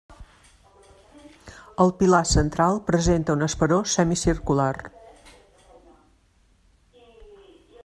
El pilar central presenta un esperó semicircular.